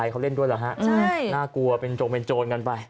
ใครเค้าเล่นด้วยเหรอฮะน่ากลัวเป็นโจรกันไป